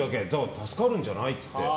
助かるんじゃない？って。